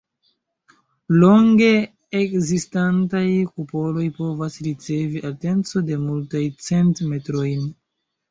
Longe ekzistantaj kupoloj povas ricevi altecon de multaj cent metrojn.